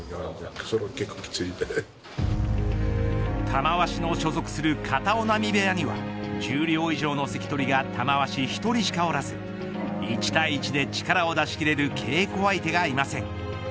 玉鷲の所属する片男波部屋には十両以上の関取が玉鷲１人しかおらず１対１で力を出し切れる稽古相手がいません。